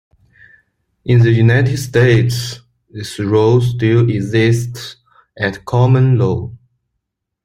In the United States, this rule still exists at common law.